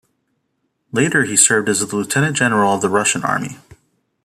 Later, he served as a lieutenant-general of the Russian army.